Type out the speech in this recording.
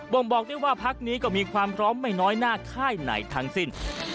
่งบอกได้ว่าพักนี้ก็มีความพร้อมไม่น้อยหน้าค่ายไหนทั้งสิ้น